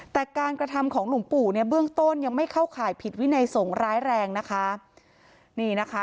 แต่การกระทำของหลวงปู่เนี่ยเบื้องต้นยังไม่เข้าข่ายผิดวินัยสงฆ์ร้ายแรงนะคะนี่นะคะ